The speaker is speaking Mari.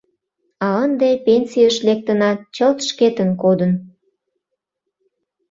А ынде пенсийыш лектынат, чылт шкетын кодын.